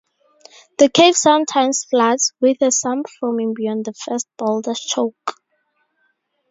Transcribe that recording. The cave sometimes floods, with a sump forming beyond the first boulder choke.